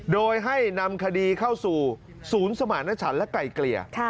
โดยให้นำคดีเข้าสู่ศูนย์สมารณชันและไกลเกลี่ย